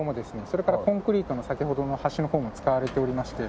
それからコンクリートの先ほどの橋の方も使われておりまして。